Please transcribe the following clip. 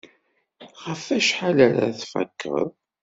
Ɣef wacḥal ara tfakeḍ?